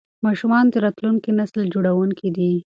ماشومان د راتلونکي نسل جوړونکي دي.